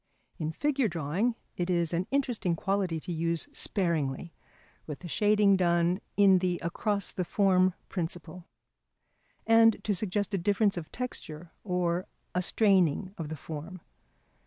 In figure drawing it is an interesting quality to use sparingly, with the shading done on the across the form principle; and to suggest a difference of texture or a straining of the form.